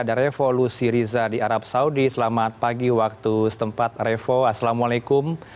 ada revolusi riza di arab saudi selamat pagi waktu setempat revo assalamualaikum